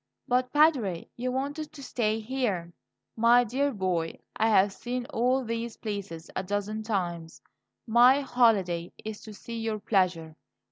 "But, Padre, you wanted to stay here?" "My dear boy, I have seen all these places a dozen times. My holiday is to see your pleasure.